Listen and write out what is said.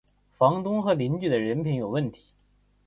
房东和邻居的人品有问题